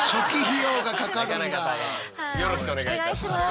よろしくお願いします。